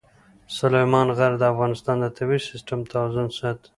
سلیمان غر د افغانستان د طبعي سیسټم توازن ساتي.